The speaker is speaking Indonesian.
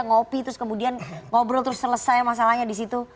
ngopi terus kemudian ngobrol terus selesai masalahnya disitu